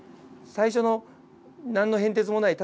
最初の何の変哲もない